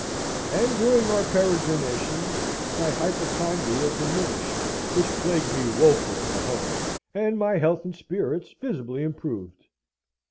] And, during our peregrinations, my hypochondria diminished (which plagued me woefully at home); and my health and spirits visibly improved.